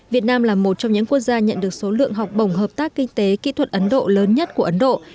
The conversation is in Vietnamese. việt nam là một trong những quốc gia nhận được số lượng học bổng hợp tác kinh tế kỹ thuật ấn độ lớn nhất của ấn độ